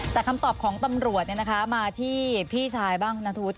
จากคำตอบของตำรวจเนี่ยนะคะมาที่พี่ชายบ้างนะทุศ